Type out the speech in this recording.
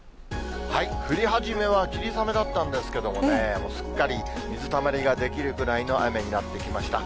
降り始めは霧雨だったんですけどもね、もうすっかり水たまりが出来るくらいの雨になってきました。